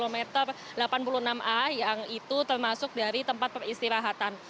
meter delapan puluh enam a yang itu termasuk dari tempat peristirahatan